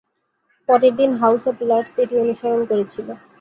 পরের দিন House of Lords এটি অনুসরণ করেছিল।